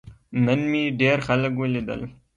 نن مې ډیر خلک ولیدل.